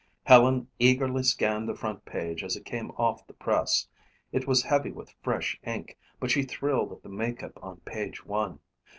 Helen eagerly scanned the front page as it came off the press. It was heavy with fresh ink but she thrilled at the makeup on page one.